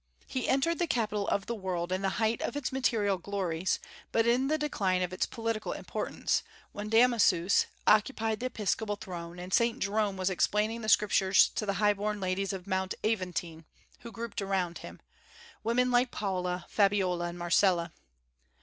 He entered the capital of the world in the height of its material glories, but in the decline of its political importance, when Damasus occupied the episcopal throne, and Saint Jerome was explaining the Scriptures to the high born ladies of Mount Aventine, who grouped around him, women like Paula, Fabiola, and Marcella.